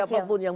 itu terima kasih